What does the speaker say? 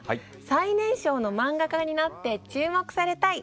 最年少の漫画家になって注目されたい。